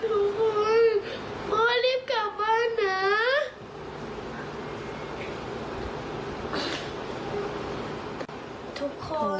ทุกคนพ่อรีบกลับบ้านนะ